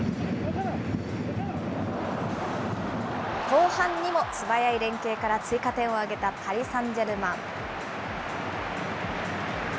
後半にも素早い連係から追加点を挙げたパリサンジェルマン。